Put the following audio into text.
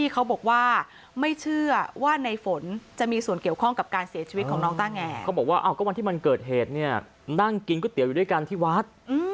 เขาบอกว่าวันที่มันเกิดเหตุเนี่ยนั่งกินก๋วยเตี๋ยวอยู่ด้วยกันที่วัด